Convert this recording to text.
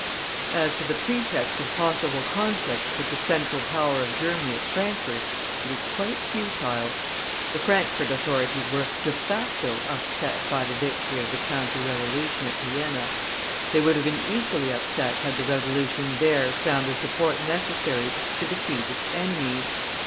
As to the pretext of possible conflicts with the central power of Germany at Frankfort, it is quite futile. The Frankfort authorities were de facto upset by the victory of the counter revolution at Vienna; they would have been equally upset had the revolution there found the support necessary to defeat its enemies.